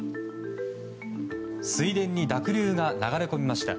水田に濁流が流れ込みました。